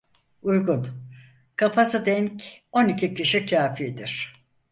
Uygun, kafası denk on iki kişi kâfidir.